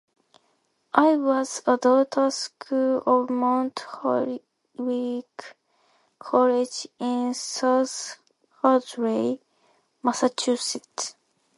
It was a daughter school of Mount Holyoke College in South Hadley, Massachusetts.